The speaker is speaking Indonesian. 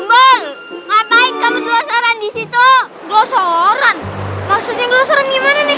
ngapain kamu gelosoran disitu gelosoran maksudnya gelosoran gimana nih